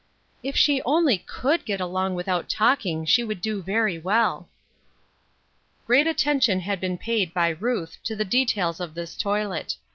" If she only could get along without talking she would do verj^ well." Great attention had been paid by Ruth to the details of this toilet.